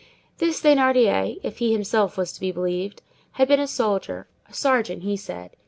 This Thénardier, if he himself was to be believed, had been a soldier—a sergeant, he said.